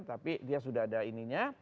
tapi dia sudah ada ininya